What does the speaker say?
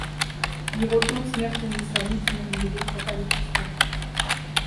Его труд смертен и сравнительно невелик по количеству.